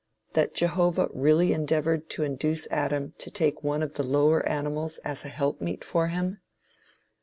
That Jehovah really endeavored to induce Adam to take one of the lower animals as an helpmeet for him?